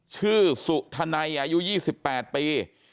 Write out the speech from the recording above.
ชื่อสุธนัยอายุ๒๘ปี